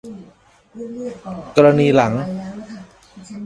กรณีหลัง